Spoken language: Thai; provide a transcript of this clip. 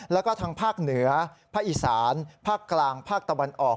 แล้วก็ทางภาคเหนือภาคอีสานภาคกลางภาคตะวันออก